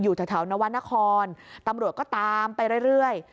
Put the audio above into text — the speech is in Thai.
อยู่ทะเถานวันนครตำรวจก็ตามไปเรื่อย